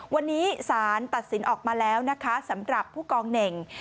วันนี้สารตัดสินออกมาแล้วนะคะสำหรับผู้กองเหน่ง